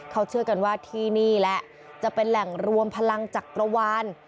เขาเชื่อกันว่าที่นี่แหละจะเป็นแหล่งรวมพลังจักรวาล